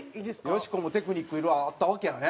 よしこもテクニックいろいろあったわけやね？